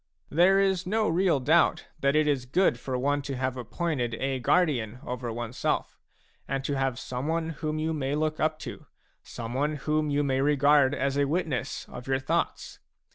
There is no real doubt that it is good for one to have appointed a guardian over oneself, and to have some one whom you may look up to, someone whom you may regard as a witness of your thoughts.